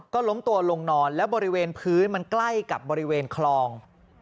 ก็ล้มตัวลงนอนแล้วบริเวณพื้นมันใกล้กับบริเวณคลอง